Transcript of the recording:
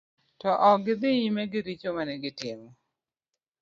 To ok gi dhi nyime gi richo mane gitimo.